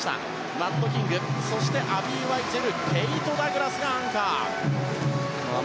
マット・キングそしてアビー・ワイツェルケイト・ダグラスがアンカー。